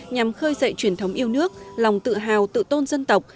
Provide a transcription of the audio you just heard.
nhằm khơi dậy truyền thống yêu nước lòng tự hào tự tôn dân tộc